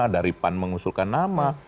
dari pan mengusulkan nama